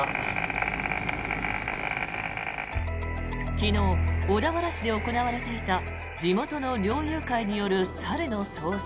昨日、小田原市で行われていた地元の猟友会による猿の捜索。